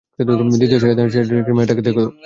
দ্বিতীয় সারিতে নাচা চার নম্বর মেয়েটাকে দেখো।